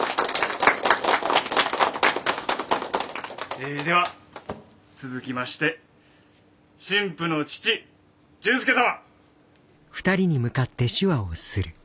えでは続きまして新婦の父純介様！